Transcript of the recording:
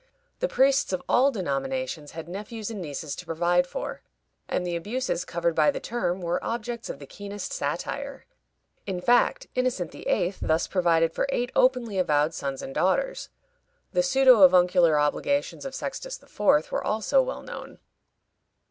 The priests of all denominations had nephews and nieces to provide for, and the abuses covered by the term were objects of the keenest satire. In fact, Innocent VIII. thus provided for eight openly avowed sons and daughters. The pseudo avuncular obligations of Sextus IV. were also well known.